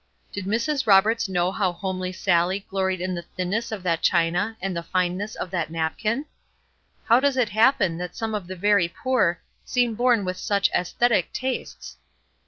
Did Mrs. Roberts know how homely Sallie gloried in the thinness of that china and the fineness of that napkin? How does it happen that some of the very poor seem born with such aesthetic tastes?